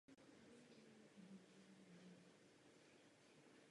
Spoléhají se proto pouze na příspěvky dobrovolníků.